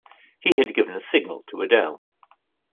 He had given a signal to Adele.